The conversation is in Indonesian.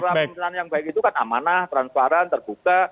nah tata kelola pemerintahan yang baik itu kan amanah transparan terbuka